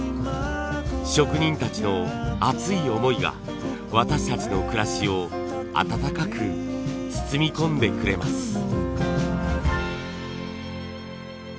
職人たちの熱い思いが私たちの暮らしを温かく包み込んでくれます。